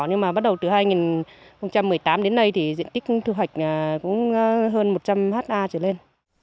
nhưng mà bắt đầu từ hai nghìn một mươi tám đến nay thì diện tích thu hoạch cũng hơn một trăm linh ha trở lên